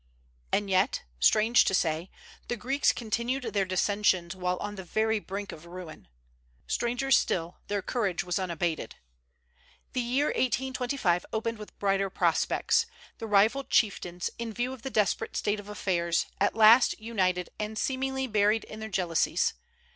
And yet, strange to say, the Greeks continued their dissensions while on the very brink of ruin. Stranger still, their courage was unabated. The year 1825 opened with brighter prospects. The rival chieftains, in view of the desperate state of affairs, at last united, and seemingly buried their jealousies.